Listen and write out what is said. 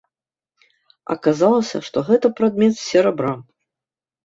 Аказалася, што гэта прадмет з серабра.